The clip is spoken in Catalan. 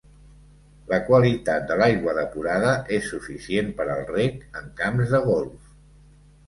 La qualitat de l'aigua depurada és suficient per al reg en camps de golf.